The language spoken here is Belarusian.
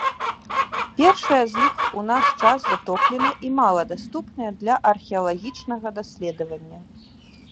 Першая з іх у наш час затоплена і мала даступная для археалагічнага даследавання.